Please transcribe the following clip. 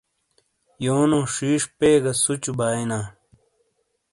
یونو شیش پے گہ سُوچُو باٸینا ۔